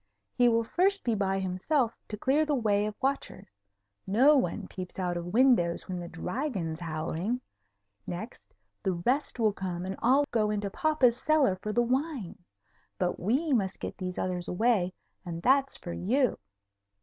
He will first be by himself to clear the way of watchers. No one peeps out of windows when the Dragon's howling. Next, the rest will come and all go into papa's cellar for the wine. But we must get these others away, and that's for you."